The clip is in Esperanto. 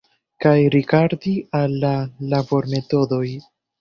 Kaj rigardi al la labormetodoj.